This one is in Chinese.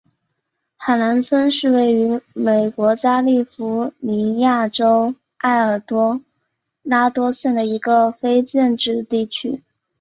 海兰村是位于美国加利福尼亚州埃尔多拉多县的一个非建制地区。